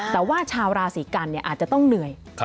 แต่ว่าชาวราศิกัณฑ์เนี่ยอาจจะต้องเหนื่อย